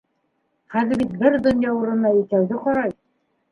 Хәҙер бит бер донъя урынына икәүҙе ҡарай.